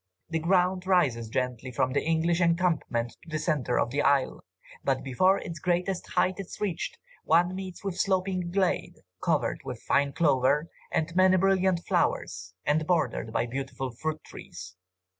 "The ground rises gently from the English encampment to the centre of the isle, but before its greatest height is reached, one meets with sloping glade, covered with fine clover, and many brilliant flowers, and bordered by beautiful fruit trees.